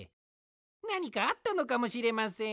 なにかあったのかもしれません。